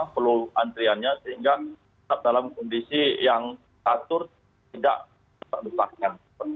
perlu antriannya sehingga tetap dalam kondisi yang atur tidak disahkan